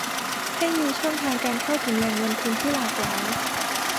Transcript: ให้มีช่องทางการเข้าถึงแหล่งเงินทุนที่หลากหลาย